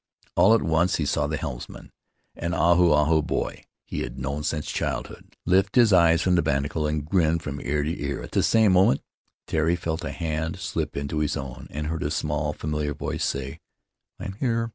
All at once he saw the helmsman — an Ahu Ahu boy he had known since childhood — lift his eyes from the binnacle and grin from ear to ear; at the same moment Tari felt a hand slip into his own, and heard a small, familiar voice say, "I am here."